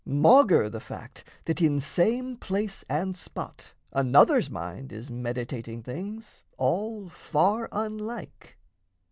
Maugre the fact that in same place and spot Another's mind is meditating things All far unlike.